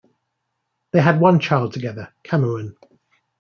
They had one child together, Cameron.